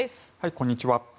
こんにちは。